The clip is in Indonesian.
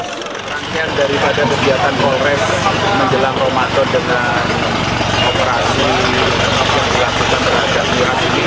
rangkaian daripada kegiatan kolres menjelang ramadan dengan operasi yang dilakukan beragam miras ini